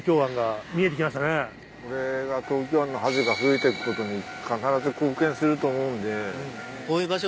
これが東京湾のハゼが増えてくことに必ず貢献すると思うんで。